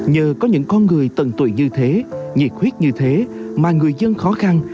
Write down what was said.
nhờ có những con người tần tuổi như thế nhiệt huyết như thế mà người dân khó khăn